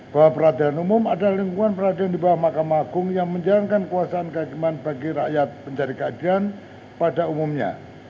bahwa peradilan umum adalah lingkungan peradilan di bawah mahkamah agung yang menjalankan kekuasaan kehakiman bagi rakyat pencari keadilan pada umumnya